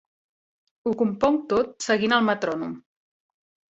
Ho componc tot seguint el metrònom.